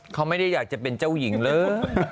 เขาไม่ได้อยากจะเป็นเจ้าหญิงเลย